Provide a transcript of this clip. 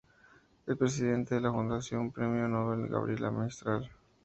Es presidente de la Fundación Premio Nobel Gabriela Mistral.